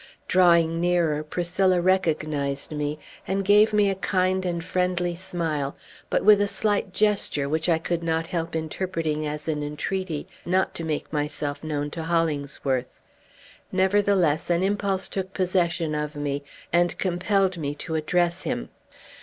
Drawing nearer, Priscilla recognized me, and gave me a kind and friendly smile, but with a slight gesture, which I could not help interpreting as an entreaty not to make myself known to Hollingsworth. Nevertheless, an impulse took possession of me, and compelled me to address him.